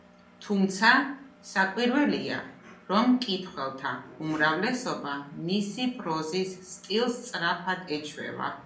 თუმცა, საკვირველია, რომ მკითხველთა უმრავლესობა მისი პროზის სტილს სწრაფად ეჩვევა.